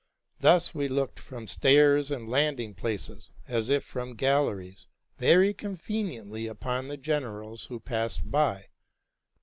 Thus we looked from stairs and landing places, as if from galleries, very conven iently upon the generals who passed by.